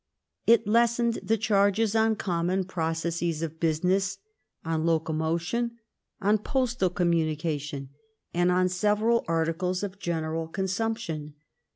It lessened the charges on common processes of business, on locomotion, on postal communication, and on several articles of general consumption.